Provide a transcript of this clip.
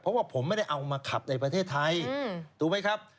เพราะว่าผมไม่ได้เอามาขับในประเทศไทยถูกไหมครับ